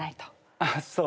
あっそう。